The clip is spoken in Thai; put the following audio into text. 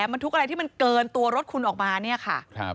บรรทุกอะไรที่มันเกินตัวรถคุณออกมาเนี่ยค่ะ